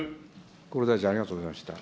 厚労大臣、ありがとうございました。